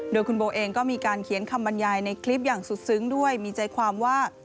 โดยคุณโบเองก็มีการเขียนคำบรรยายในคลิปอย่างสุดซึ้งด้วยมีใจความว่า